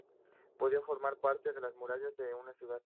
Podía formar parte de las murallas de una ciudad.